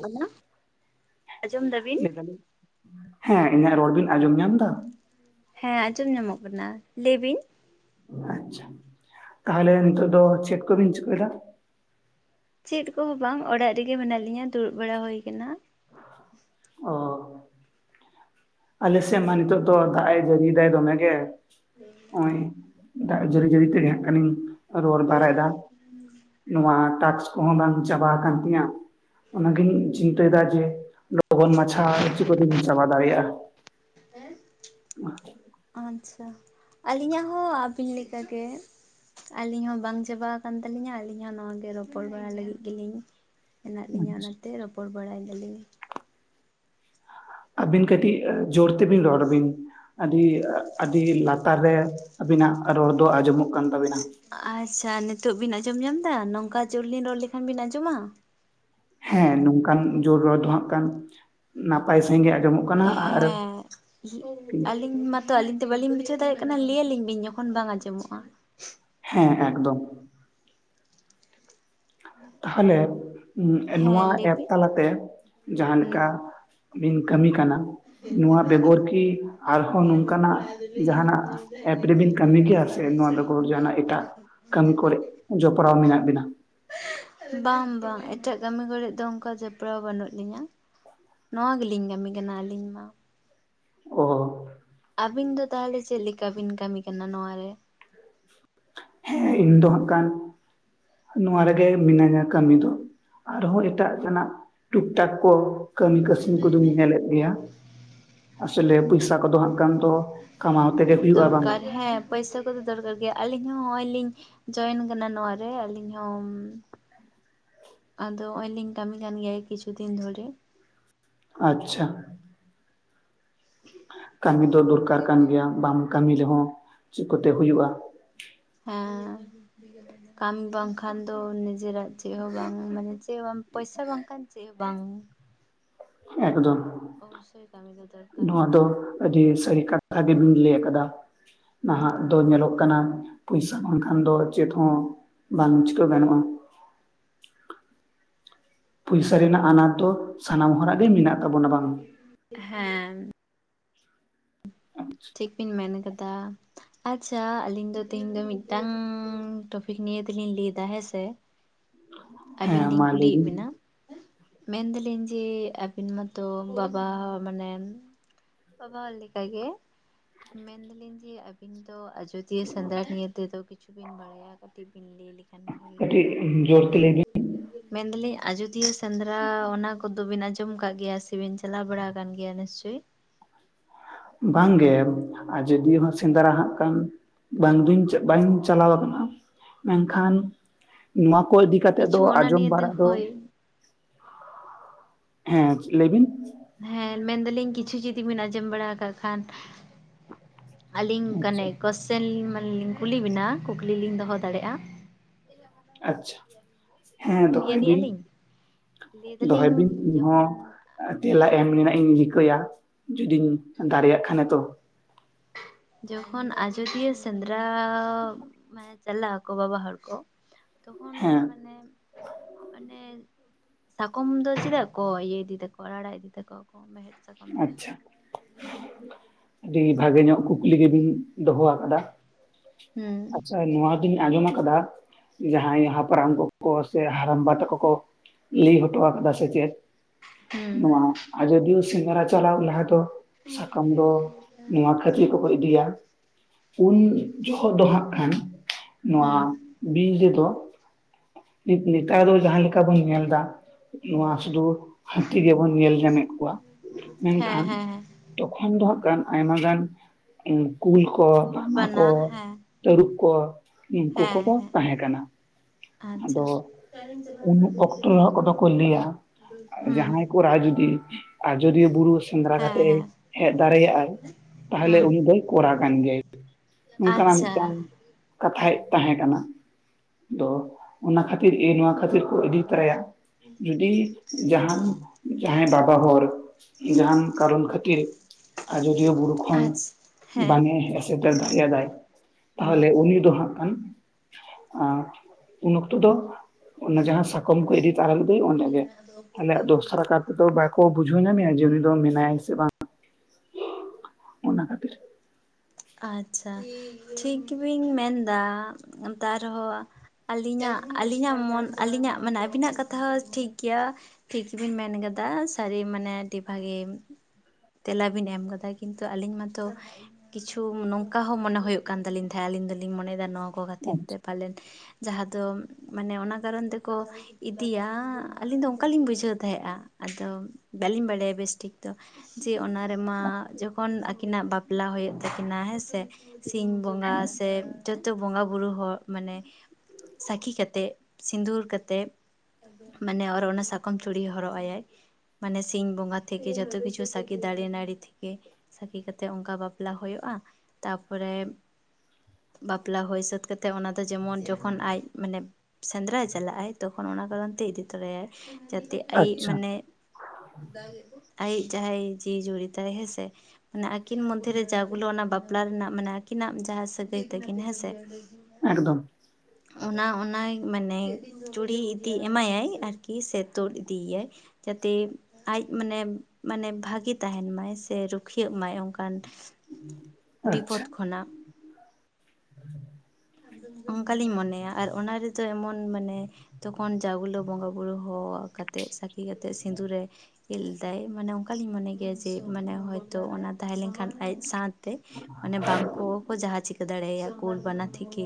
ᱵᱟᱝᱟ, ᱟᱸᱡᱚᱢ ᱫᱟᱵᱤᱱ? ᱞᱟᱹᱭ ᱫᱟᱞᱤᱧ ᱦᱮᱸ, ᱤᱧᱟᱜ ᱨᱚᱲ ᱵᱤᱱ ᱟᱸᱡᱚᱢ ᱧᱟᱢ ᱫᱟ? ᱦᱮᱸ, ᱟᱸᱡᱚᱢ ᱧᱟᱢᱚᱜ ᱠᱟᱱᱟ, ᱞᱟᱹᱭ ᱵᱤᱱ᱾ ᱟᱪᱪᱷᱟ, ᱛᱟᱦᱚᱞᱮ ᱱᱤᱛᱚᱜ ᱫᱚ ᱪᱮᱫ ᱠᱚᱵᱤᱱ ᱪᱤᱠᱟᱹᱭᱮᱫᱟ? ᱪᱮᱫ ᱠᱚᱦᱚᱸ ᱵᱟᱝ, ᱚᱲᱟᱜ ᱨᱮᱜᱮ ᱢᱮᱱᱟᱜ ᱞᱤᱧᱟ, ᱫᱩᱲᱩᱵ ᱵᱟᱲᱟ ᱦᱳᱭ ᱠᱟᱱᱟ᱾ ᱚᱻ᱾ ᱟᱞᱮ ᱥᱮᱜ ᱢᱟ ᱱᱤᱛᱚᱜ ᱫᱚ ᱫᱟᱜ ᱮ ᱡᱟᱹᱲᱤ ᱭᱮᱫᱟᱭ ᱫᱚᱢᱮ ᱜᱮ ᱦᱚᱜ-ᱚᱭ ᱫᱟᱜ ᱡᱟᱨᱤ ᱡᱟᱨᱤ ᱜᱮ ᱦᱟᱜ ᱠᱷᱟᱱᱤᱧ ᱨᱚᱲ ᱵᱟᱨᱟᱭᱮᱫᱟ᱾ ᱱᱚᱣᱟ ᱴᱟᱠᱥ ᱠᱚᱦᱚᱸ ᱵᱟᱝ ᱪᱟᱵᱟ ᱟᱠᱟᱱ ᱛᱤᱧᱟ᱾ ᱚᱱᱟᱜᱤᱧ ᱪᱤᱱᱛᱟᱹᱭᱮᱫᱟ ᱡᱮ ᱞᱚᱜᱚᱱ ᱢᱟᱪᱷᱟ ᱪᱤᱠᱟᱹᱛᱮᱧ ᱪᱟᱵᱟ ᱫᱟᱲᱮᱭᱟᱜ-ᱟ᱾ ᱦᱮᱸ᱾ [inaudible] ᱟᱪᱪᱷᱟ, ᱟᱹᱞᱤᱧᱟᱜ ᱦᱚᱸ ᱟᱹᱵᱤᱱ ᱞᱮᱠᱟᱜᱮ᱾ ᱟᱞᱤᱧ ᱦᱚᱸ ᱵᱟᱝ ᱪᱟᱵᱟ ᱟᱠᱟᱱ ᱛᱟᱞᱤᱧᱟ, ᱹᱞᱤᱧ ᱦᱚᱸ ᱱᱚᱣᱟ ᱜᱮ ᱨᱚᱯᱚᱲ ᱞᱟᱹᱜᱤᱫ ᱜᱮᱞᱤᱧ ᱦᱮᱱᱟᱜ ᱞᱤᱧᱟ ᱟᱪᱪᱷᱟ, ᱚᱱᱟᱛᱮ, ᱨᱚᱯᱚᱲ ᱵᱟᱲᱟᱭᱮᱫᱟᱞᱤᱧ᱾ ᱟᱵᱤᱱ ᱠᱟᱴᱤᱡ ᱡᱳᱨ ᱛᱮᱵᱤᱱ ᱨᱚᱲ ᱵᱤᱱ᱾ ᱟᱰᱤ ᱟᱰᱤ ᱞᱟᱛᱟᱨ ᱨᱮ ᱟᱵᱤᱱᱟᱜ ᱨᱚᱲ ᱫᱚ ᱟᱸᱡᱚᱢᱚᱜ ᱠᱟᱱ ᱛᱟᱵᱤᱱᱟ᱾ ᱟᱪᱷᱟ ᱱᱤᱛᱳᱜ ᱵᱤᱱ ᱟᱸᱡᱚᱢ ᱧᱟᱢ ᱮᱫᱟ ᱱᱚᱝᱠᱟ ᱡᱳᱨ ᱞᱤᱧ ᱨᱚᱲ ᱞᱮᱠᱷᱟᱱ ᱵᱤᱱ ᱟᱸᱡᱚᱢᱟ᱾ ᱦᱮᱸ ᱱᱚᱝᱠᱟᱱ ᱡᱳᱨ ᱨᱚᱲ ᱫᱚ ᱦᱟᱜ ᱠᱷᱟᱱ ᱱᱟᱯᱟᱭ ᱥᱟᱺᱦᱤᱡ ᱜᱮ ᱟᱸᱡᱚᱢᱚᱜ ᱠᱟᱱᱟ ᱟᱨ ᱦᱮᱸ ᱟᱹᱞᱤᱧ ᱢᱟ, ᱛᱚ ᱟᱹᱞᱤᱧ ᱫᱚ ᱵᱟᱹᱞᱤᱧ ᱵᱩᱡᱷᱟᱹᱣ ᱫᱟᱲᱮᱭᱟᱜ ᱠᱟᱱᱟ ᱞᱟᱹᱭ ᱟᱹᱞᱤᱧ ᱵᱤᱱ ᱡᱚᱠᱷᱚᱱ ᱵᱟᱝ ᱟᱡᱸᱚᱢᱚᱜ-ᱟ᱾ ᱦᱮᱸ ᱮᱠᱫᱚᱢ᱾ ᱛᱟᱦᱚᱞᱮ ᱦᱮᱸ ᱱᱚᱣᱟ ᱞᱟᱹᱭ ᱮᱯ ᱵᱤᱱ ᱛᱟᱞᱟᱛᱮ ᱡᱟᱦᱟᱸ ᱦᱩᱸ ᱞᱮᱠᱟ᱾ ᱵᱤᱱ ᱠᱟᱹᱢᱤ ᱠᱟᱱᱟ᱾ ᱱᱚᱣᱟ ᱵᱮᱜᱚᱨ ᱠᱤ ᱟᱨᱦᱚᱸ ᱱᱚᱝᱠᱟᱱᱟᱜ ᱡᱟᱦᱟᱱᱟᱜ ᱮᱯ, ᱟᱵᱤᱱ ᱠᱟᱹᱢᱤ ᱜᱮᱭᱟ ᱥᱮ ᱱᱚᱣᱟ ᱵᱮᱜᱚᱨ ᱡᱟᱦᱟᱱᱟᱜ ᱮᱴᱟᱜ ᱠᱟᱹᱢᱤ ᱠᱚᱨᱮ ᱡᱚᱯᱲᱟᱣ ᱢᱮᱱᱟᱜ ᱵᱤᱱᱟ? ᱵᱟᱝ ᱵᱟᱝ ᱮᱴᱟᱜ ᱠᱟᱹᱢᱤ ᱠᱚᱨᱮ ᱫᱚ ᱚᱱᱠᱟ ᱡᱚᱯᱲᱟᱣ ᱵᱟᱹᱱᱩᱜ ᱞᱤᱧᱟᱹ᱾ ᱱᱚᱣᱟ ᱜᱮᱞᱤᱧ ᱠᱟᱹᱢᱤ ᱠᱟᱱᱟ ᱟᱹᱞᱤᱧ ᱢᱟ᱾ ᱚᱻ ᱟᱹᱵᱤᱱ ᱫᱚ ᱛᱟᱦᱚᱞᱮ ᱪᱮᱫ ᱞᱮᱠᱟ ᱵᱤᱱ ᱠᱟᱹᱢᱤ ᱠᱟᱱᱟ ᱱᱚᱣᱟ ᱨᱮ? ᱦᱮᱸ ᱤᱧ ᱫᱚ ᱦᱟᱜ ᱠᱷᱟᱱ ᱱᱚᱣᱟ ᱨᱮᱜᱮ ᱢᱤᱱᱟᱹᱧᱟ ᱠᱟᱹᱢᱤ ᱫᱚ᱾ ᱟᱨ ᱦᱚᱸ ᱮᱴᱟᱜ ᱨᱮᱱᱟᱜ ᱴᱩᱠᱴᱟᱠ ᱠᱚ᱾ ᱠᱟᱹᱢᱤ ᱠᱟᱹᱥᱱᱤ ᱠᱚᱫᱚᱧ ᱧᱮᱞᱮᱫ ᱜᱮᱭᱟ ᱟᱥᱚᱞᱮ ᱯᱚᱭᱥᱟ ᱠᱚᱫᱚ ᱦᱟᱸᱜ ᱠᱟᱱ ᱫᱚ, ᱠᱟᱢᱟᱣ ᱛᱮᱜᱮ ᱦᱩᱭᱩᱜᱼᱟ ᱵᱟᱝ ᱫᱚᱨᱠᱟᱨ ᱦᱮᱸ ᱯᱚᱭᱥᱟ ᱠᱚᱫᱚ ᱫᱚᱨᱠᱟᱨ ᱜᱮ ᱟᱹᱞᱤᱧ ᱦᱚᱸ-ᱚᱭ ᱞᱤᱧ, ᱡᱚᱭᱮᱱ ᱠᱟᱱᱟ ᱱᱚᱣᱟᱨᱮ ᱟᱹᱞᱤᱧ ᱦᱚᱸ᱾ ᱟᱫᱚ ᱱᱚᱜᱚᱭ ᱞᱤᱧ ᱠᱟᱹᱢᱤ ᱠᱟᱱ ᱜᱮᱭᱟ ᱠᱤᱪᱷᱩ ᱫᱤᱱ ᱫᱷᱚᱨᱮ᱾ ᱟᱪᱷᱟ᱾ ᱠᱟᱹᱢᱤ ᱫᱚ ᱫᱚᱨᱠᱟᱨ ᱠᱟᱱ ᱜᱮᱭᱟ ᱵᱟᱢ ᱠᱟᱹᱢᱤ ᱞᱮᱦᱚᱸ ᱪᱮᱫ ᱠᱚᱛᱮ ᱦᱩᱭᱩᱜᱼᱟ᱾ ᱦᱮᱸ ᱠᱟᱹᱢᱤ ᱵᱟᱝᱠᱷᱟᱱ ᱫᱚ ᱱᱤᱡᱮᱨᱟᱜ ᱪᱮᱫ ᱦᱚᱸ ᱵᱟᱝ ᱢᱟᱱᱮ ᱪᱮᱫ ᱵᱟᱝ ᱯᱚᱭᱥᱟ ᱵᱟᱝ ᱠᱟᱱ ᱪᱮᱫ ᱦᱚᱸ ᱵᱟᱝ᱾ ᱮᱠᱫᱚᱢ᱾ ᱚᱵᱚᱥᱚᱭ ᱠᱟᱹᱢᱤ ᱫᱚ ᱫᱚᱨᱠᱟᱨ᱾ ᱱᱚᱣᱟ ᱫᱚ ᱟᱹᱰᱤ ᱥᱟᱹᱨᱤ ᱠᱟᱛᱷᱟ ᱜᱮᱵᱮᱱ ᱞᱟᱹᱭ ᱟᱠᱟᱫᱟ᱾ ᱱᱟᱦᱟᱜ ᱫᱚ ᱧᱮᱞᱚᱜ ᱠᱟᱱᱟ ᱯᱚᱭᱥᱟ ᱵᱟᱝᱠᱷᱟᱱ ᱫᱚ ᱪᱮᱫ ᱦᱚᱸ ᱵᱟᱝ ᱪᱤᱠᱟᱹ ᱜᱟᱱᱚᱜᱼᱟ᱾ ᱯᱚᱭᱥᱟ ᱨᱮᱱᱟᱜ ᱟᱱᱟᱴ ᱫᱚ ᱥᱟᱱᱟᱢ ᱦᱚᱲ ᱟᱜ ᱜᱮ ᱢᱮᱱᱟᱜ ᱛᱟᱵᱚᱱᱟ ᱵᱟᱝ? ᱦᱮᱸ᱾ ᱟᱪᱷᱟ᱾ ᱴᱷᱤᱠ ᱵᱤᱱ ᱢᱮᱱ ᱠᱟᱫᱟ᱾ ᱟᱪᱷᱟ ᱟᱞᱤᱧ ᱫᱚ ᱛᱮᱦᱤᱧ ᱫᱚ ᱢᱤᱫᱴᱟᱝ ᱴᱚᱯᱤᱠ ᱱᱤᱭᱮ ᱛᱮᱞᱤᱧ ᱞᱟᱹᱭ ᱦᱮᱸ ᱥᱮ᱾ ᱟᱹᱵᱤᱱ ᱦᱮᱸ ᱞᱤᱧ ᱢᱟ ᱞᱟᱹᱭ ᱠᱩᱞᱤᱭᱮᱫ ᱵᱤᱱ ᱵᱤᱱᱟ᱾ ᱢᱮᱱᱫᱟᱞᱤᱧ ᱡᱮ ᱟᱵᱤᱱ ᱢᱟᱛᱚ ᱵᱟᱵᱟ ᱢᱟᱱᱮ ᱵᱟᱵᱟ ᱦᱚᱲ ᱞᱮᱠᱟ ᱜᱮ᱾ ᱢᱮᱱ ᱫᱟᱞᱤᱧ ᱡᱮ ᱟᱹᱵᱤᱱ ᱫᱚ ᱟᱡᱚᱫᱤᱭᱟᱹ ᱥᱮᱸᱫᱽᱨᱟ ᱱᱤᱭᱟᱹᱛᱮ ᱛᱮᱫᱚ ᱠᱤᱪᱷᱩᱵᱤᱱ ᱵᱟᱲᱟᱭᱟ? ᱠᱟᱹᱴᱤᱡ ᱵᱤᱱ ᱞᱟᱹᱭ ᱞᱮᱠᱷᱟᱱ ᱵᱷᱟᱹᱜᱤ ᱠᱟᱹᱴᱤᱡ ᱠᱚᱜ-ᱟ᱾ [inaudible] ᱢᱮᱱᱫᱟᱞᱤᱧ ᱟᱡᱚᱫᱤᱭᱟᱹ ᱥᱮᱸᱫᱽᱨᱟ ᱚᱱᱟ ᱠᱚᱫᱚ ᱵᱤᱱ ᱟᱸᱡᱚᱢ ᱠᱟᱜ ᱜᱮᱭᱟ ᱥᱮᱵᱤᱱ ᱪᱟᱞᱟᱣ ᱵᱟᱲᱟ ᱠᱟᱱ ᱜᱮᱭᱟ ᱱᱤᱥᱪᱳᱚᱭ? ᱵᱟᱝᱜᱮ ᱟᱡᱚᱫᱤᱭᱟᱹ ᱦᱚᱸ ᱥᱮᱸᱫᱽᱨᱟ ᱦᱟᱸᱜ ᱠᱟᱱ ᱵᱟᱝ ᱫᱩᱧ ᱵᱟᱧ ᱪᱟᱞᱟᱣ ᱠᱟᱱᱟ ᱢᱮᱱᱠᱷᱟᱱ᱾ ᱱᱚᱣᱟ ᱠᱚ ᱤᱫᱤ ᱠᱟᱛᱮᱜ ᱠᱤᱪᱷᱩ ᱫᱚ ᱚᱱᱟ ᱟᱸᱡᱚᱢ ᱱᱤᱭᱮᱛᱮ ᱵᱟᱲᱟ ᱫᱚ ᱦᱳᱭ ᱦᱮᱸ ᱪᱮ ᱞᱟᱹᱭ ᱵᱤᱱ᱾ ᱦᱮᱸ ᱢᱮᱱᱫᱟᱞᱤᱧ ᱠᱤᱪᱷᱩ ᱡᱩᱫᱤ ᱵᱮᱤ ᱟᱸᱡᱚᱢ ᱵᱟᱲᱟ ᱠᱟᱜ ᱠᱷᱟᱱ᱾ ᱟᱹᱞᱤᱧ ᱟᱪᱪᱷᱟ ᱠᱟᱱᱮ ᱠᱚᱥᱮᱱ ᱢᱟᱱᱮ ᱞᱤᱧ ᱠᱩᱞᱤ ᱵᱤᱱᱟ ᱠᱩᱠᱞᱤ ᱞᱤᱧ ᱫᱚᱦᱚ ᱫᱟᱲᱮᱜᱼᱟ ᱾ ᱟᱪᱪᱷᱟ ᱾ ᱦᱮᱸ ᱠᱩᱞᱤ ᱫᱚᱦᱚᱭ ᱟᱹᱱᱤᱡ ᱵᱤᱱ ᱟᱹᱞᱤᱧ ᱞᱟᱹᱭ ᱫᱚᱦᱚᱭ ᱵᱤᱱ ᱫᱟᱞᱤᱧ ᱤᱧ ᱦᱚᱸ ᱡᱚᱠᱷᱚᱱ ᱛᱮᱞᱟ ᱮᱢ ᱨᱮᱱᱟᱜ ᱤᱧ ᱨᱤᱠᱟᱹᱭᱟ ᱡᱩᱫᱤᱧ ᱫᱟᱲᱮᱭᱟᱜ ᱠᱷᱟᱱᱮ ᱛᱚ ᱾ ᱡᱚᱠᱷᱚᱱ ᱟᱡᱚᱫᱤᱭᱟᱹ ᱥᱮᱸᱫᱽᱨᱟᱻ ᱢᱟᱱᱮ ᱪᱟᱞᱟᱜ ᱟᱠᱚ ᱵᱟᱵᱟ ᱦᱚᱲ ᱠᱚ ᱛᱚᱠᱷᱚᱱ ᱦᱮᱸ ᱢᱟᱱᱮ ᱢᱟᱱᱮ ᱥᱟᱠᱚᱢ ᱫᱚ ᱪᱮᱫᱟᱜ ᱠᱚ ᱤᱭᱟᱹ ᱤᱫᱤ ᱛᱟᱠᱚᱣᱟ ᱨᱟᱲᱟ ᱤᱫᱤ ᱛᱟᱠᱚᱣᱟ ᱠᱚ ᱢᱮᱲᱦᱮᱫ ᱥᱟ ᱟᱪᱪᱷᱟ, ᱟᱹᱰᱤ ᱵᱷᱟᱜᱮ ᱧᱚᱜ ᱠᱩᱠᱞᱤ ᱜᱮᱵᱤᱱ ᱫᱚᱦᱚ ᱟᱠᱟᱫᱟ ᱾ ᱦᱩᱸ ᱾ ᱱᱚᱣᱟ ᱫᱩᱧ ᱟᱸᱡᱚᱢ ᱟᱠᱟᱫᱟ ᱡᱟᱦᱟᱸᱭ ᱦᱟᱯᱲᱟᱢ ᱠᱚᱠᱚ ᱥᱮ ᱦᱟᱲᱟᱢᱵᱟ ᱛᱟᱠᱚ ᱠᱚ ᱞᱟᱹᱭ ᱦᱚᱴᱚ ᱟᱠᱟᱫᱟ ᱥᱮ ᱪᱮᱫ ᱦᱩᱸ ᱱᱚᱣᱟ ᱟᱡᱚᱫᱤᱭᱟᱹ ᱥᱮᱸᱫᱽᱨᱟ ᱪᱟᱞᱟᱣ ᱞᱟᱦᱟ ᱫᱚ ᱥᱟᱠᱟᱢ ᱫᱚ ᱱᱚᱣᱟ ᱠᱷᱟᱹᱛᱤᱨ ᱠᱚ ᱵᱚᱡ ᱤᱫᱤᱭᱟ ᱩᱱ ᱡᱚᱦᱚᱜ ᱫᱚ ᱦᱟᱸᱜ ᱠᱷᱟᱱ ᱱᱚᱣᱟ ᱦᱩᱸ ᱵᱤᱨ ᱨᱮᱫᱚ ᱱᱮᱛᱟᱨ ᱫᱚ ᱡᱟᱦᱟᱸ ᱞᱮᱠᱟ ᱵᱚᱱ ᱧᱮᱞ ᱫᱟ ᱱᱚᱣᱟ ᱥᱩᱫᱩ ᱦᱟᱹᱛᱤ ᱜᱮᱵᱚᱱ ᱧᱮᱞ ᱧᱟᱢᱮᱫ ᱠᱚᱣᱟ ᱾ ᱦᱮᱸ ᱢᱮᱱᱠᱷᱟᱱ ᱦᱮᱸ ᱦᱮᱸ ᱛᱚᱠᱷᱚᱱ ᱫᱚ ᱦᱟᱸᱜ ᱠᱷᱟᱱ ᱟᱭᱢᱟ ᱜᱟᱱ ᱠᱩᱞ ᱠᱚ ᱠᱩᱞ ᱵᱟᱱᱟ ᱠᱚ ᱦᱮᱸ ᱛᱟᱹᱨᱩᱵ ᱠᱚ ᱩᱱᱠᱩ ᱦᱮᱸ ᱠᱚᱠᱚ ᱦᱮᱸ ᱛᱟᱦᱮᱸ ᱠᱟᱱᱟ, ᱟᱫᱚ ᱟᱪᱪᱷᱟ ᱩᱱ ᱚᱠᱛᱚ ᱨᱮᱦᱚ ᱠᱚᱫᱚ ᱠᱚ ᱞᱟᱹᱭᱟ ᱦᱩᱸ ᱡᱟᱦᱟᱸᱭ ᱠᱚᱨᱟ ᱡᱩᱫᱤ ᱟᱡᱚᱫᱤᱭᱟᱹ ᱵᱩᱨᱩ ᱥᱮ ᱥᱮᱸᱫᱽᱨᱟ ᱦᱮᱸ ᱠᱟᱛᱮᱜ ᱦᱮᱸ ᱮ ᱦᱮᱡ ᱫᱟᱨᱮᱭᱟᱜᱼᱟᱭ, ᱛᱟᱦᱚᱞᱮ ᱦᱩᱸ ᱩᱱᱤ ᱫᱚᱭ ᱠᱚᱨᱟ ᱠᱟᱱ ᱜᱮᱭᱟᱭ᱾ ᱚᱝᱠᱟ ᱱᱟᱜ ᱢᱤᱫ ᱟᱪᱪᱷᱟ ᱴᱟᱝ ᱠᱟᱛᱷᱟᱭ ᱦᱮᱸ ᱦᱮᱸ ᱛᱟᱦᱮᱸ ᱠᱟᱱᱟ ᱛᱚ ᱚᱱᱟ ᱠᱷᱟᱹᱛᱤᱨ ᱮ ᱱᱚᱣᱟ ᱠᱷᱟᱹᱛᱤᱨ ᱠᱚ ᱤᱫᱤ ᱛᱟᱭᱟ, ᱡᱩᱫᱤ ᱡᱟᱦᱟᱱ ᱡᱟᱦᱟᱸᱭ ᱵᱟᱵᱟ ᱦᱚᱨ ᱡᱟᱦᱟᱱ ᱠᱟᱨᱚᱱ ᱠᱷᱟᱹᱛᱤᱨ ᱟᱡᱚᱫᱤᱭᱟᱹ ᱵᱩᱨᱩ ᱠᱷᱚᱱ ᱟᱪᱪᱷᱟ ᱦᱮᱸ ᱵᱟᱝᱮ ᱦᱮᱡ ᱥᱮᱴᱮᱨ ᱫᱟᱲᱮᱭᱟ ᱫᱟᱭ᱾ ᱦᱩᱸ ᱛᱟᱦᱚᱞᱮ ᱩᱱᱤ ᱫᱚ ᱦᱟᱸᱜ ᱠᱷᱟᱱ ᱟᱸ ᱩᱱ ᱚᱠᱛᱚ ᱫᱚ ᱚᱱᱟ ᱡᱟᱦᱟᱸ ᱥᱟᱠᱚᱢ ᱠᱚ ᱤᱫᱤ ᱛᱟᱨᱟ ᱞᱤᱫᱤ ᱚᱸᱰᱮ ᱜᱮ, ᱛᱟᱦᱚᱞᱮ ᱫᱚᱥᱨᱟ ᱠᱟᱨ ᱛᱮᱫᱚ ᱵᱟᱠᱚ ᱵᱩᱡᱷᱟᱹᱣ ᱧᱟᱢᱮᱭᱟ ᱡᱮ ᱩᱱᱤ ᱫᱚ ᱢᱮᱱᱟᱭᱟ ᱥᱮ ᱵᱟᱝ ᱚᱱᱟ ᱠᱷᱟᱹᱛᱤᱨ᱾ ᱟᱪᱪᱷᱟ ᱴᱷᱤᱠ ᱜᱮᱵᱮᱧ ᱢᱮᱱᱫᱟ ᱛᱟᱨ ᱨᱮᱦᱚᱸ ᱟᱹᱞᱤᱧᱟᱜ, ᱟᱹᱞᱤᱧᱟᱜ ᱢᱚᱱ, ᱟᱹᱞᱤᱧᱟᱜ ᱢᱟᱱᱮ ᱟᱹᱵᱤᱱᱟᱜ ᱠᱟᱛᱷᱟ ᱦᱚᱸ ᱴᱷᱤᱠ ᱜᱮᱭᱟ᱾ ᱴᱷᱤᱠ ᱜᱮᱵᱤᱱ ᱢᱮᱱ ᱠᱟᱫᱟ ᱥᱟᱹᱨᱤ ᱢᱟᱱᱮ ᱟᱹᱰᱤ ᱵᱷᱟᱹᱜᱤ᱾ ᱛᱮᱞᱟ ᱵᱤᱱ ᱮᱢ ᱠᱟᱫᱟ ᱠᱤᱱᱛᱩ ᱟᱹᱞᱤᱧ ᱢᱟᱛᱚ ᱠᱤᱪᱷᱩ ᱱᱚᱝᱠᱟ ᱦᱚᱸ ᱢᱚᱱᱮ ᱦᱩᱭᱩᱜ ᱠᱟᱱ ᱛᱟᱹᱤᱧ ᱛᱟᱦᱮᱸ ᱟᱹᱞᱤᱧ ᱫᱚᱞᱤᱧ ᱢᱚᱱᱮᱭᱮᱫᱟ ᱱᱚᱣᱟ ᱠᱚ ᱠᱷᱟᱹᱛᱤᱨ ᱛᱮ ᱟᱪᱪᱷᱟ ᱯᱟᱞᱮᱱ᱾ ᱡᱟᱦᱟᱸ ᱫᱚ ᱢᱟᱱᱮ ᱚᱱᱟ ᱠᱟᱨᱚᱱ ᱛᱮᱠᱚ ᱤᱫᱤᱭᱟ ᱟᱹᱞᱤᱧ ᱫᱚ ᱚᱝᱠᱟᱞᱤᱧ ᱵᱩᱡᱷᱟᱹᱣ ᱛᱟᱦᱮᱸᱜᱼᱟ, ᱟᱫᱚ ᱵᱟᱹᱞᱤᱧ ᱵᱟᱲᱟᱭᱟ ᱵᱮᱥ ᱴᱷᱤᱠ ᱫᱚ᱾ ᱡᱮ ᱚᱱᱟ ᱨᱮᱢᱟ ᱡᱚᱠᱷᱚᱱ ᱟᱹᱠᱤᱱᱟᱜ ᱵᱟᱯᱞᱟ ᱦᱩᱭᱩᱜ ᱛᱟᱹᱠᱤᱱᱟ ᱦᱮᱸ ᱥᱮ ᱥᱤᱧ ᱵᱚᱸᱜᱟ ᱥᱮ ᱡᱚᱛ ᱛᱚ ᱵᱚᱸᱜᱟ ᱵᱩᱨᱩ ᱦᱚᱸ ᱢᱟᱱᱮ ᱥᱟᱹᱠᱷᱤ ᱠᱟᱛᱮᱜ ᱥᱤᱸᱫᱩᱨ ᱠᱟᱛᱮᱜ ᱢᱟᱱᱮ ᱟᱨ ᱚᱱᱟ ᱥᱟᱠᱚᱢ ᱪᱩᱲᱤ ᱦᱚᱨᱚᱜ ᱟᱭᱟᱭ᱾ ᱢᱟᱱᱮ ᱥᱤᱧ ᱵᱚᱸᱜᱟ ᱛᱷᱮᱠᱮ ᱡᱷᱚᱛᱚ ᱠᱤᱪᱷᱩ ᱥᱟᱹᱠᱤ ᱫᱟᱲᱮ ᱱᱟᱲᱤ ᱛᱷᱮᱠᱮ ᱥᱟᱹᱠᱷᱤ ᱠᱟᱛᱮ ᱚᱝᱠᱟ ᱵᱟᱯ ᱯᱞᱟ ᱦᱩᱭᱩᱜᱼᱟ ᱛᱟᱯᱚᱨᱮ ᱵᱟᱯᱞᱟ ᱦᱳᱭ ᱥᱟᱹᱛ ᱠᱟᱛᱮᱫ ᱚᱱᱟ ᱫᱚ ᱡᱮᱢᱚᱱ ᱡᱚᱠᱷᱚᱱ ᱟᱡ ᱢᱟᱱᱮ ᱥᱮᱸᱫᱽᱨᱟᱭ ᱪᱟᱞᱟᱜᱼᱟᱭ ᱛᱚᱠᱷᱚᱱ ᱚᱱᱟ ᱠᱟᱨᱚᱱ ᱛᱮ ᱤᱫᱤ ᱛᱚᱨᱟᱭᱟᱭ ᱡᱟᱛᱮ ᱟᱭᱤᱡ ᱟᱪᱪᱷᱟ ᱢᱟᱱᱮ ᱟᱭᱤᱡ ᱡᱟᱦᱟᱸᱭ ᱡᱤᱣᱤ ᱡᱩᱨᱤ ᱛᱟᱭ ᱦᱮᱸᱥᱮ ᱢᱟᱱᱮ ᱟᱹᱠᱤᱱ ᱢᱚᱫᱽᱫᱷᱮ ᱨᱮ ᱡᱟ ᱜᱩᱞᱚ ᱚᱱᱟ ᱵᱟᱯᱞᱟ ᱨᱮᱱᱟᱜ ᱢᱟᱱᱮ ᱟᱹᱠᱤᱱᱟᱜ ᱡᱟᱦᱟ ᱥᱟᱹᱜᱟᱹᱭ ᱛᱟᱹᱠᱤᱱ ᱦᱮᱸ ᱥᱮ᱾ ᱮᱠᱫᱚᱢ᱾ ᱚᱱᱟ ᱚᱱᱟᱭ ᱢᱟᱱᱮ ᱪᱩᱲᱤ ᱤᱫᱤᱭ ᱮᱢᱟᱭᱟᱭ ᱟᱨᱠᱤ ᱥᱮ ᱛᱩᱫ ᱤᱫᱤᱭᱟᱭ᱾ ᱡᱟᱛᱮ ᱟᱡ ᱢᱟᱱᱮ, ᱢᱟᱱᱮ ᱵᱷᱟᱜᱮ ᱛᱟᱦᱮᱱ ᱢᱟᱭ ᱥᱮ ᱨᱩᱠᱷᱤᱭᱟᱹᱜ ᱢᱟᱭ ᱚᱱᱠᱟᱱ ᱟᱪᱪᱷᱟ ᱵᱤᱯᱚᱫᱽ ᱠᱷᱚᱱᱟᱜ᱾ [unintelligible] ᱚᱱᱠᱟ ᱞᱤᱧ ᱢᱚᱱᱮᱭᱟ ᱟᱨ ᱚᱱᱟ ᱨᱮᱫᱚ ᱮᱢᱚᱱ ᱢᱟᱱᱮ ᱛᱚᱠᱷᱚᱱ ᱡᱟᱣ ᱜᱩᱞᱚ ᱵᱚᱸᱜᱟ ᱵᱩᱨᱩ ᱦᱚᱦᱚ ᱠᱟᱛᱮᱜ ᱥᱟ ᱤᱭᱟᱹᱠᱟᱛᱮᱜ ᱥᱤᱸᱫᱩᱨᱮ ᱤᱭᱟᱹ ᱞᱮᱫᱟᱭ ᱢᱟᱱᱮ ᱚᱱᱠᱟ ᱞᱤᱧ ᱢᱚᱱᱮ ᱜᱮᱭᱟ᱾ᱡᱮ ᱢᱟᱱᱮ ᱦᱚᱭ ᱛᱚ ᱚᱱᱟ ᱛᱟᱦᱮᱸ ᱞᱮᱱᱠᱷᱟᱱ ᱟᱡ ᱥᱟᱣ ᱛᱮ ᱢᱟᱱᱮ ᱵᱟᱝ ᱠᱚ ᱠᱚ ᱡᱟᱦᱟ ᱪᱤᱠᱟᱹ ᱫᱟᱲᱮ ᱟᱭᱟ ᱠᱩᱞ ᱵᱟᱱᱟ᱾ ᱛᱷᱮᱠᱮ᱾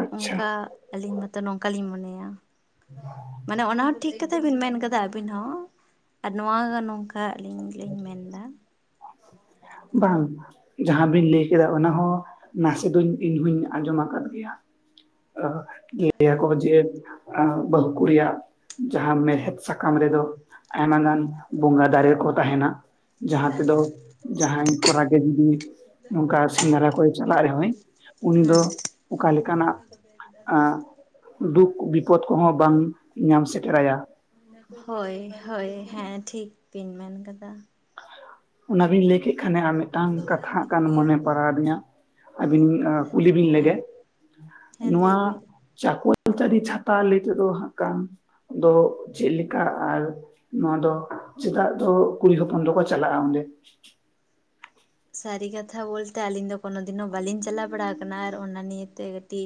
ᱟᱪᱪᱷᱟ ᱚᱝᱠᱟ ᱟᱹᱞᱤᱧ ᱢᱟᱛᱚ ᱱᱚᱝᱠᱟᱞᱤᱧ ᱢᱚᱱᱮᱭᱟ, ᱢᱟᱱᱮ ᱚᱱᱟ ᱴᱷᱤᱠ ᱠᱟᱛᱷᱟ ᱵᱤᱱ ᱢᱮᱱ ᱠᱟᱫᱟ ᱟᱹᱵᱤᱱ ᱦᱚᱸ, ᱟᱨ ᱱᱚᱣᱟ ᱱᱚᱝᱠᱟ ᱟᱹᱞᱤᱧ ᱞᱤᱧ ᱢᱮᱱ ᱫᱟ᱾ ᱵᱟᱝ᱾ ᱡᱟᱦᱟ ᱵᱤᱱ ᱞᱟᱹᱭ ᱠᱮᱫᱟ ᱚᱱᱟ ᱦᱚᱸ, ᱱᱟᱥᱮ ᱫᱚ ᱤᱧ ᱦᱚᱧ ᱟᱸᱡᱚᱢ ᱠᱟᱫ ᱜᱮᱭᱟ᱾ ᱟᱸᱦ ᱞᱟᱹᱭ-ᱟ ᱠᱚ ᱡᱮ ᱟᱸᱻ ᱵᱟᱹᱦᱩ ᱠᱩᱲᱤᱭᱟᱜ ᱡᱟᱦᱟ ᱢᱮᱲᱦᱮᱫ ᱥᱟᱠᱟᱢ ᱨᱮᱫᱚ ᱟᱭᱢᱟ ᱜᱟᱱ ᱵᱚᱸᱜᱟ ᱫᱟᱨᱮ ᱠᱚ ᱛᱟᱦᱮᱸᱱᱟ᱾ [unintelligible] ᱡᱟᱦᱟᱭ ᱠᱚᱨᱟ ᱜᱮ ᱡᱩᱫᱤ ᱱᱚᱝᱠᱟ ᱥᱮᱸᱫᱽᱨᱟ ᱠᱚᱭ ᱪᱟᱞᱟᱜ ᱨᱮᱦᱚᱸᱭ ᱩᱱᱤ ᱫᱚ ᱦᱮᱸ ᱚᱠᱟ ᱞᱮᱠᱟᱱᱟᱜ [unintelligible] ᱫᱩᱠ ᱵᱤᱯᱚᱫ ᱠᱚᱦᱚᱸ ᱵᱟᱝ ᱧᱟᱢ ᱥᱮᱴᱮᱨᱟᱭᱟ᱾ ᱦᱳᱭ, ᱦᱳᱭ ᱦᱮᱸ ᱴᱷᱤᱠ ᱵᱤᱱ ᱢᱮᱱ ᱠᱟᱫᱟ᱾ ᱚᱱᱟ ᱵᱤᱱ ᱞᱟᱹᱭ ᱠᱮᱫ ᱠᱷᱟᱱᱮ ᱟᱨ ᱢᱮᱜ ᱴᱟᱝ ᱠᱟᱛᱷᱟ ᱦᱟᱸᱜ ᱠᱟᱱ ᱢᱚᱱᱮ ᱯᱟᱲᱟᱣ ᱟᱫᱤᱧᱟ ᱟᱹᱵᱤᱱ ᱠᱩᱞᱤ ᱵᱤᱱ ᱦᱮᱸ ᱞᱮᱜᱮ᱾ ᱦᱮᱸ ᱞᱟᱹᱭ ᱵᱤᱱ᱾ ᱪᱟᱠᱚᱞ ᱛᱟᱲᱤ ᱪᱷᱟᱛᱟ ᱞᱟᱹᱭ ᱛᱮᱫᱚ ᱦᱟᱸᱜ ᱠᱷᱟᱱ ᱫᱚ ᱪᱮᱫ ᱞᱮᱠᱟ ᱟᱨ ᱱᱚᱣᱟ ᱫᱚ ᱪᱮᱫᱟᱜ ᱫᱚ ᱠᱩᱲᱤ ᱦᱚᱯᱚᱱ ᱫᱚᱠᱚ ᱪᱟᱞᱟᱜ ᱟ ᱚᱸᱰᱮ? ᱥᱟᱹᱨᱤ ᱠᱟᱛᱷᱟ ᱵᱚᱞ ᱛᱮ ᱟᱹᱞᱤᱧ ᱫᱚ ᱠᱳᱱᱳ ᱫᱤᱱ ᱦᱚᱸ ᱵᱟᱹᱞᱤᱧ ᱪᱟᱞᱟᱣ ᱵᱟᱲᱟ ᱠᱟᱱᱟ᱾ ᱟᱨ ᱚᱱᱟ ᱱᱤᱭᱟᱹᱛᱮ ᱠᱟᱹᱴᱤᱡ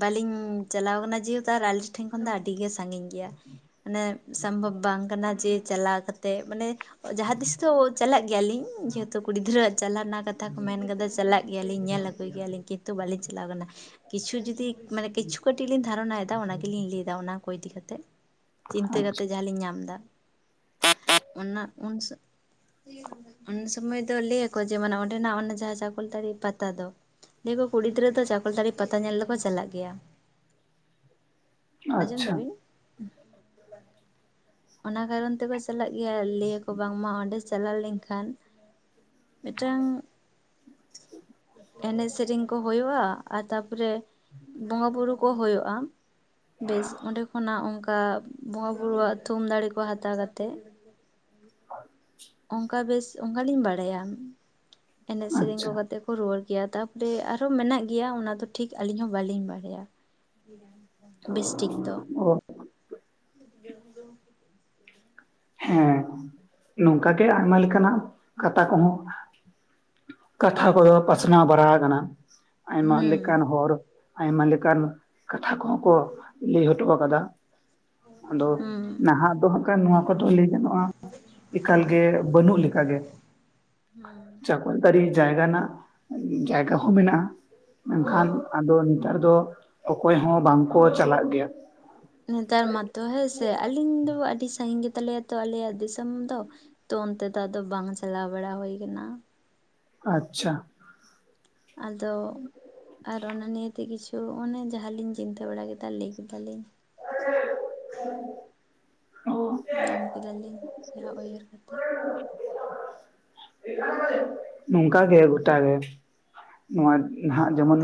ᱵᱟᱹᱞᱤᱧ ᱪᱟᱞᱟᱣ ᱠᱟᱱᱟ ᱡᱮᱦᱮᱛᱩ ᱟᱨ ᱟᱞᱮ ᱴᱷᱮᱱ ᱠᱷᱚᱱ ᱫᱚ ᱟᱹᱰᱤ ᱜᱮ ᱥᱟᱸᱜᱤᱧ ᱜᱮᱭᱟ᱾ ᱢᱟᱱᱮ ᱥᱚᱢᱵᱷᱚᱵ ᱵᱟᱝ ᱠᱟᱱᱟ ᱡᱮ ᱪᱟᱞᱟᱣ ᱠᱟᱛᱮᱜ ᱢᱟᱱᱮ ᱡᱟᱦᱟ ᱛᱤᱥ ᱫᱚ ᱪᱟᱞᱟᱜ ᱜᱮᱭᱟ ᱞᱤᱧ ᱡᱮᱦᱮᱛᱩ ᱠᱩᱲᱤ ᱜᱤᱫᱽᱨᱟᱹᱣᱟᱜ ᱪᱟᱞᱟᱜ ᱨᱮᱱᱟᱜ ᱠᱟᱛᱷᱟ ᱠᱚ ᱢᱮᱱ ᱠᱟᱫᱟ᱾ ᱪᱟᱞᱟᱜ ᱜᱮᱭᱟ ᱞᱤᱧ ᱧᱮᱞ ᱟᱹᱜᱩᱭ ᱜᱮᱭᱟ ᱞᱤᱧ ᱠᱤᱱᱛᱩ ᱵᱟᱹᱞᱤᱧ ᱪᱟᱞᱟᱣ ᱠᱟᱱᱟ ᱾ᱠᱤᱪᱷᱩ ᱡᱩᱫᱤ ᱢᱟᱱᱮ ᱠᱤᱪᱷᱩ ᱠᱟᱹᱴᱤᱡ ᱞᱤᱧ ᱫᱷᱟᱨᱚᱱᱟᱭ ᱫᱟ ᱚᱱᱟ ᱜᱮᱞᱤᱧ ᱞᱟᱹᱭ ᱫᱟ ᱚᱱᱟ ᱠᱚ ᱤᱫᱤ ᱠᱟᱛᱮᱜ᱾ ᱪᱤᱱᱛᱟᱹ ᱟᱪᱪᱷᱟ ᱠᱟᱛᱮᱜ ᱡᱟᱦᱟ ᱞᱤᱧ ᱧᱟᱢ ᱫᱟ᱾ ᱚᱱᱟ ᱩᱱᱥᱟ, ᱩᱱᱥᱟ ᱥᱚᱢᱚᱭ ᱫᱚ ᱞᱟᱹᱭ ᱟᱠᱚ ᱡᱮ ᱢᱟᱱᱮ ᱚᱸᱰᱮᱱᱟᱜ ᱚᱱᱟ ᱡᱟᱦᱟ ᱪᱟᱠᱚᱞ ᱛᱟᱲᱤ ᱯᱟᱛᱟ ᱫᱚ᱾ ᱞᱮᱭ ᱟᱠᱚ ᱠᱩᱲᱤ ᱜᱤᱫᱽᱨᱟᱹ ᱫᱚ ᱪᱟᱠᱚᱞ ᱛᱟᱲᱤ ᱯᱟᱛᱟ ᱧᱮᱞ ᱫᱚᱠᱚ ᱪᱟᱞᱟᱜ ᱜᱮᱭᱟ᱾ [inaudible] ᱟᱸᱡᱚᱢ ᱫᱟᱵᱤᱱ ᱚᱱᱟ ᱠᱟᱨᱚᱱ ᱛᱮ ᱠᱚ ᱪᱟᱞᱟᱜ ᱜᱮᱭᱟ᱾ᱞᱟᱹᱭ ᱟᱠᱚ ᱵᱟᱝᱢᱟ ᱚᱸᱰᱮ ᱪᱟᱞᱟᱣ ᱞᱮᱱᱠᱷᱟᱱ ᱢᱤᱫᱴᱟᱝ ᱮᱱᱮᱡ ᱥᱮᱨᱮᱝ ᱠᱚ ᱦᱳᱭᱳᱜ-ᱟ᱾, ᱟᱨ ᱛᱟᱯᱚᱨᱮ ᱵᱚᱸᱜᱟ ᱵᱩᱨᱩ ᱠᱚ ᱦᱳᱭᱳᱜ-ᱟ᱾ ᱵᱮᱥ ᱚᱸᱰᱮ ᱠᱷᱚᱱᱟᱜ ᱚᱱᱠᱟ ᱵᱚᱸᱜᱟ ᱵᱩᱨᱩᱣᱟᱜ ᱛᱷᱩᱢ ᱫᱟᱲᱮ ᱠᱚ ᱦᱟᱛᱟᱣ ᱠᱟᱛᱮᱫ ᱚᱱᱠᱟ ᱵᱮᱥ ᱚᱱᱠᱟ ᱞᱤᱧ ᱵᱟᱲᱟᱭᱟ ᱮᱱᱮᱡ ᱥᱮᱨᱮᱝ ᱠᱚ ᱟᱪᱪᱷᱟ ᱠᱟᱛᱮ ᱠᱚ ᱨᱩᱣᱟᱹᱲ ᱜᱮᱭᱟ ᱛᱟᱨᱯᱚᱨᱮ ᱟᱨᱦᱚᱸ ᱢᱮᱱᱟᱜ ᱜᱮᱭᱟ ᱚᱱᱟ ᱫᱚ ᱴᱷᱤᱠ ᱟᱹᱞᱤᱧ ᱦᱚᱸ ᱵᱟᱹᱞᱤᱧ ᱵᱟᱲᱟᱭᱟ᱾ ᱵᱮᱥ ᱴᱷᱤᱠ ᱫᱚ᱾ ᱚ [unintelligible] ᱦᱮᱸ ᱱᱚᱝᱠᱟ ᱜᱮ ᱟᱭᱢᱟ ᱞᱮᱠᱟᱱᱟᱜ ᱠᱟᱛᱷᱟ ᱠᱚᱦᱚᱸ ᱠᱟᱛᱷᱟ ᱠᱚᱫᱚ ᱯᱟᱥᱱᱟᱣ ᱵᱟᱲᱟ ᱟᱠᱟᱱᱟ ᱟᱭᱢᱟ ᱞᱮᱠᱟᱱ ᱦᱩᱸ ᱦᱚᱲ ᱟᱭᱢᱟ ᱞᱮᱠᱟᱱ ᱠᱟᱛᱷᱟ ᱠᱚᱦᱚᱸ ᱠᱚ ᱞᱟᱹᱭ ᱦᱚᱴᱚ ᱟᱠᱟᱫᱟ ᱟᱫᱚ ᱦᱩᱸ ᱱᱟᱦᱟᱜ ᱫᱚ ᱦᱟᱸᱜ ᱠᱷᱟᱱ ᱱᱚᱣᱟ ᱟᱫᱚ ᱞᱟᱹᱭ ᱜᱟᱱᱚᱜᱼᱟ ᱮᱠᱟᱞ ᱜᱮ ᱵᱟᱹᱱᱩᱜ ᱞᱮᱠᱟ ᱜᱮ, ᱦᱩᱸ ᱪᱟᱠᱚᱞ ᱛᱟᱲᱤ ᱡᱟᱭᱜᱟ ᱱᱟᱜ ᱡᱟᱭᱜᱟ ᱦᱚᱸ ᱢᱮᱱᱟᱜᱼᱟ, ᱢᱮᱱᱠᱷᱟᱱ ᱦᱩᱸ ᱟᱫᱚ ᱱᱮᱛᱟᱨ ᱫᱚ ᱚᱠᱚᱭ ᱦᱚᱸ ᱵᱟᱝ ᱠᱚ ᱪᱟᱞᱟᱜ ᱜᱮᱭᱟ᱾ ᱱᱮᱛᱟᱨ ᱢᱟᱛᱚ ᱦᱮᱸ ᱥᱮ ᱟᱹᱞᱤᱧ ᱫᱚ ᱟᱹᱰᱤ ᱥᱟᱺᱜᱤᱧ ᱜᱮ ᱛᱟᱞᱮᱭᱟ ᱛᱚ ᱟᱞᱮᱭᱟᱜ ᱫᱤᱥᱚᱢ ᱫᱚ, ᱛᱚ ᱚᱱᱛᱮ ᱫᱚ ᱟᱫᱚ ᱵᱟᱝ ᱪᱟᱞᱟᱣ ᱵᱟᱲᱟ ᱦᱳᱭ ᱠᱟᱱᱟ᱾ ᱟᱪᱪᱷᱟ᱾ ᱟᱫᱚ ᱟᱨ ᱚᱱᱟ ᱱᱤᱭᱟᱹᱛᱮ ᱠᱤᱪᱷᱩ ᱚᱱᱮ ᱡᱟᱦᱟᱸ ᱞᱤᱧ ᱪᱤᱱᱛᱟᱹ ᱵᱟᱲᱟ ᱠᱮᱫᱟ ᱞᱟᱹᱭ ᱠᱮᱫᱟ ᱞᱤᱧ᱾ [inaudible] ᱧᱟᱢ ᱠᱮᱫᱟ ᱞᱤᱧ ᱡᱟᱦᱟᱸ ᱩᱭᱦᱟᱹᱨ ᱠᱟᱛᱮᱫ᱾ ᱱᱚᱝᱠᱟ ᱜᱮ ᱜᱚᱴᱟ ᱜᱮ᱾ ᱱᱚᱣᱟ ᱱᱟᱦᱟᱜ ᱡᱮᱢᱚᱱ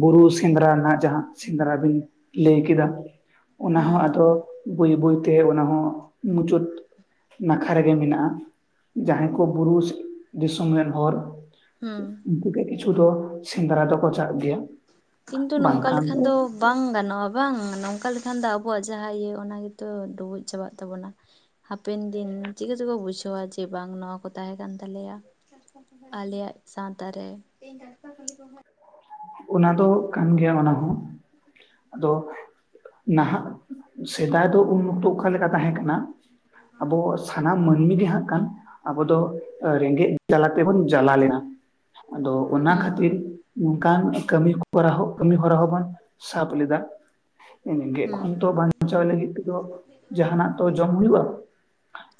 ᱵᱩᱨᱩ ᱥᱮᱸᱫᱽᱨᱟ ᱨᱮᱱᱟᱜ ᱡᱟᱦᱟᱸ ᱥᱮᱸᱫᱽᱨᱟ ᱵᱤᱱ ᱞᱟᱹᱭ ᱠᱮᱫᱟ ᱚᱱᱟ ᱦᱚᱸ ᱦᱩᱸ ᱟᱫᱚ ᱵᱟᱹᱭ ᱵᱟᱹᱭ ᱛᱮ ᱚᱱᱟ ᱦᱚᱸ ᱢᱩᱪᱟᱹᱫ ᱱᱟᱠᱷᱟ ᱨᱮᱜᱮ ᱢᱮᱱᱟᱜᱼᱟ ᱡᱟᱦᱟᱸᱭ ᱠᱚ ᱵᱩᱨᱩᱥ ᱫᱤᱥᱚᱢ ᱨᱮᱱ ᱦᱚᱲ ᱦᱩᱸ ᱩᱱᱠᱩ ᱜᱮ ᱠᱤᱪᱷᱩ ᱫᱚ ᱥᱮᱸᱫᱽᱨᱟ ᱫᱚᱠᱚ ᱪᱟᱜ ᱜᱮᱭᱟ ᱠᱤᱱᱛᱩ ᱱᱚᱝᱠᱟ ᱞᱮᱠᱷᱟᱱ ᱫᱚ ᱵᱟᱝ ᱜᱟᱱᱚᱜᱼᱟ ᱵᱟᱝ ᱱᱚᱝᱠᱟ ᱞᱮᱠᱷᱟᱱ ᱫᱚ ᱟᱵᱚᱣᱟᱜ ᱡᱟᱦᱟᱸ ᱤᱭᱟᱹ ᱚᱱᱟ ᱜᱮᱛᱚ ᱰᱩᱵᱩᱡ ᱪᱟᱵᱟᱜ ᱛᱟᱵᱚᱱᱟ᱾ ᱦᱟᱯᱮᱱ ᱫᱤᱱ ᱪᱤᱠᱟᱹ ᱪᱮᱠᱚ ᱵᱩᱡᱷᱟᱹᱣᱟ ᱡᱮ ᱵᱟᱝ ᱱᱚᱣᱟ ᱠᱚ ᱛᱟᱦᱮᱸ ᱠᱟᱱ ᱛᱟᱞᱮᱭᱟ᱾ ᱟᱞᱮᱭᱟᱜ ᱥᱟᱶᱛᱟ ᱨᱮ ᱚᱱᱟ ᱫᱚ ᱠᱟᱱ ᱜᱮᱭᱟ ᱚᱱᱟ ᱦᱚᱸ ᱟᱫᱚ ᱱᱟᱦᱟᱜ ᱥᱮᱫᱟᱭ ᱫᱚ ᱩᱱ ᱚᱠᱛᱚ ᱚᱠᱟ ᱞᱮᱠᱟ ᱛᱟᱦᱮᱸ ᱠᱟᱱᱟ ᱟᱵᱚ ᱥᱟᱱᱟᱢ ᱢᱟᱹᱱᱢᱤ ᱜᱮ ᱦᱟᱸᱜ ᱠᱷᱟᱱ ᱟᱵᱚ ᱫᱚ ᱨᱮᱸᱜᱮᱡ ᱡᱟᱞᱟ ᱛᱮᱵᱳᱱ ᱡᱟᱞᱟ ᱞᱮᱱᱟ ᱟᱫᱚ ᱚᱱᱟ ᱦᱩᱸ ᱠᱷᱟᱹᱛᱤᱨ ᱱᱚᱝᱠᱟᱱ ᱠᱟᱹᱢᱤ ᱦᱚᱨᱟ ᱦᱚᱸ ᱠᱟᱹᱢᱤ ᱦᱚᱨᱟ ᱦᱚᱸᱵᱚᱱ ᱥᱟᱵ ᱞᱮᱫᱟ ᱜᱮᱜ ᱦᱩᱸ ᱠᱷᱚᱱ ᱛᱚ ᱵᱟᱧᱪᱟᱣ ᱞᱟᱹᱜᱤᱫ ᱛᱮᱫᱚ ᱡᱟᱦᱟᱱᱟᱜ ᱛᱚ ᱡᱚᱢ ᱦᱩᱭᱩᱜᱼᱟ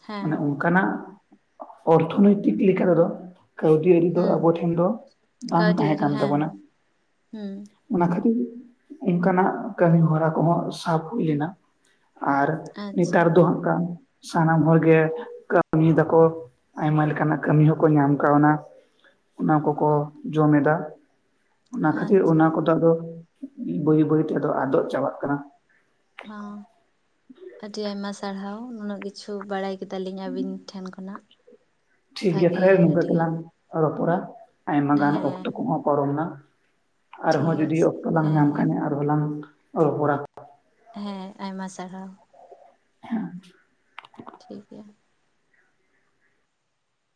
ᱦᱮᱸ ᱢᱟᱱᱮ ᱚᱱᱠᱟᱱᱟᱜ ᱚᱨᱛᱷᱳᱱᱳᱭᱛᱤᱠ ᱞᱮᱠᱟ ᱛᱮᱫᱚ ᱠᱟᱹᱣᱰᱤ ᱟᱹᱨᱤ ᱫᱚ ᱦᱩᱸ ᱟᱵᱳ ᱴᱷᱮᱱ ᱫᱚ ᱵᱟᱝ ᱠᱟᱹᱣᱰᱤ ᱛᱟᱦᱮᱸ ᱟᱹᱨᱤ ᱠᱟᱱ ᱦᱮᱸ ᱛᱟᱵᱚᱱᱟ ᱦᱩᱸ ᱚᱱᱟ ᱠᱷᱟᱹᱛᱤᱨ ᱚᱱᱠᱟᱱᱟᱜ ᱠᱟᱹᱢᱤ ᱦᱚᱨᱟ ᱠᱚᱦᱚᱸ ᱥᱟᱵ ᱦᱩᱭ ᱞᱮᱱᱟ ᱟᱨ ᱟᱪᱪᱷᱟ ᱱᱮᱛᱟᱨ ᱫᱚ ᱦᱟᱜ ᱠᱷᱟᱱ ᱥᱟᱱᱟᱢ ᱦᱚᱲ ᱜᱮ ᱠᱟᱹᱢᱤᱭ ᱫᱟᱠᱚ ᱟᱭᱢᱟ ᱞᱮᱠᱟᱱᱟᱜ ᱠᱟᱹᱢᱤ ᱦᱚᱸᱠᱚ ᱧᱟᱢ ᱟᱠᱟᱣᱱᱟ ᱚᱱᱟ ᱠᱚᱠᱚ ᱡᱚᱢ ᱮᱫᱟ᱾ ᱚᱱᱟ ᱠᱷᱟᱹᱛᱤᱨ ᱟᱪᱪᱷᱟ ᱚᱱᱟ ᱠᱚᱫᱚ ᱟᱫᱚ ᱵᱟᱹᱭ ᱵᱟᱹᱭᱛᱮ ᱟᱫᱚᱜ ᱪᱟᱵᱟᱜ ᱠᱟᱱᱟ᱾ ᱦᱟᱸ ᱟᱹᱰᱤ ᱟᱭᱢᱟ ᱥᱟᱨᱦᱟᱣ ᱱᱩᱱᱟᱹᱜ ᱠᱤᱪᱷᱩ ᱵᱟᱲᱟᱭ ᱠᱮᱫᱟ ᱞᱤᱧ ᱟᱹᱵᱤᱱ ᱴᱷᱮᱱ ᱠᱷᱚᱱᱟᱜ ᱴᱷᱤᱠ ᱜᱮᱭᱟ ᱵᱷᱟᱜᱮ ᱛᱟᱦᱞᱮ ᱱᱚᱝᱠᱟᱹ ᱟᱹᱰᱤᱜᱟᱱ ᱜᱮᱞᱟᱝ ᱨᱚᱯᱚᱲᱟ ᱟᱭᱢᱟ ᱜᱟᱱ ᱦᱮᱸ ᱚᱠᱛᱚ ᱠᱚᱦᱚᱸ ᱯᱟᱨᱚᱢᱱᱟ᱾ ᱴᱷᱤᱠ ᱟᱨᱦᱚᱸ ᱡᱩᱫᱤ ᱟᱪᱷᱮ ᱚᱠᱛᱚ ᱞᱟᱝ ᱦᱮᱸ ᱧᱟᱢ ᱦᱮᱸ ᱠᱷᱟᱱ ᱟᱨᱦᱚᱸ ᱞᱟᱝ ᱨᱚᱯᱚᱲᱟ᱾ ᱦᱮᱸ ᱟᱭᱢᱟ ᱥᱟᱨᱦᱟᱣ᱾ ᱦᱮᱸ᱾ ᱴᱷᱤᱠ ᱜᱮᱭᱟ᱾